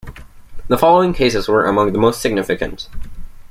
The following cases were among the most significant.